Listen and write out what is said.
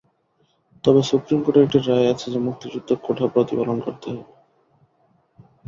তবে সুপ্রিম কোর্টের একটি রায় আছে যে মুক্তিযোদ্ধা কোটা প্রতিপালন করতে হবে।